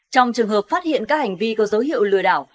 trong trường hợp phát hiện các hành vi có dấu hiệu lừa đảo